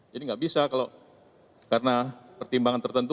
jadi nggak bisa kalau karena pertimbangan tertentu